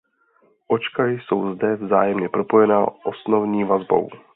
Očka jsou zde vzájemně propojena osnovní vazbou.